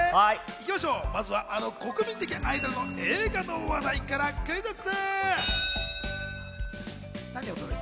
まずはあの国民的アイドルの映画の話題からクイズッス。